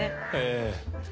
ええ。